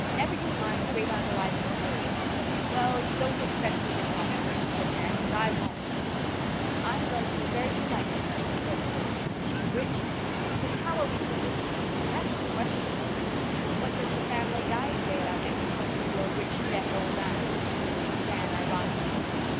"Never you mind Great aunt Eliza's nose." "Well, don't expect me to talk to her," said Dan, "'cause I won't." "I'm going to be very polite to her," said Felicity. "She's rich. But how are we to entertain her, that's the question." "What does the Family Guide say about entertaining your rich, deaf old aunt?" queried Dan ironically.